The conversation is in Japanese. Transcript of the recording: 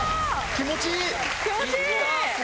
気持ちいい！